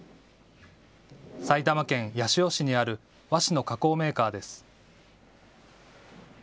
埼玉県八潮市にある和紙の加工メーカーです。